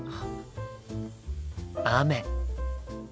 雨。